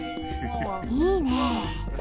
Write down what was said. いいね。